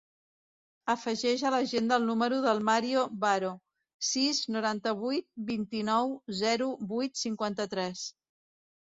Afegeix a l'agenda el número del Mario Baro: sis, noranta-vuit, vint-i-nou, zero, vuit, cinquanta-tres.